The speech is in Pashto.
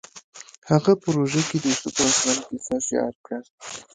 هغه په روژه کې د یوسف علیه السلام کیسه شعر کړه